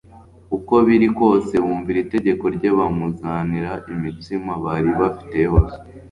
Uko biri kose bumvira itegeko rye bamuzanira imitsima bari bafite yose;